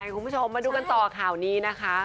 คุณผู้ชมมาดูกันต่อข่าวนี้นะคะ